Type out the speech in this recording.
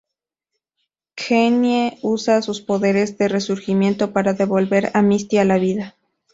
Queenie usa sus poderes de resurgimiento para devolver a Misty a la vida.